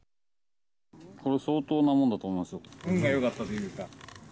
これ、相当なもんだと思いますよ。